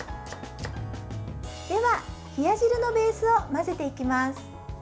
では、冷や汁のベースを混ぜていきます。